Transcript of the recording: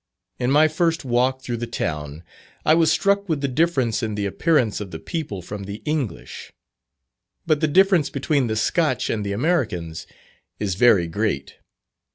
In my first walk through the town, I was struck with the difference in the appearance of the people from the English. But the difference between the Scotch and the Americans, is very great.